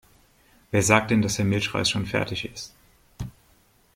Wer sagt denn, dass der Milchreis schon fertig ist?